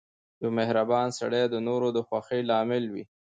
• یو مهربان سړی د نورو د خوښۍ لامل وي.